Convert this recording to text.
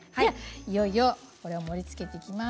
いよいよ、これを盛りつけていきます。